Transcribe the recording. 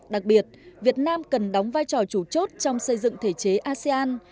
đặc biệt việt nam cần đóng vai trò chủ chốt trong xây dựng thể chế asean